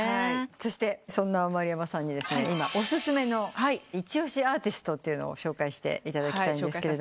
そしてそんな丸山さんに今お薦めのイチオシアーティストを紹介していただきたいんですが。